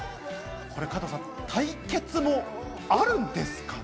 これ、加藤さん、対決もあるんですかね？